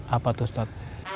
apa tuh ustad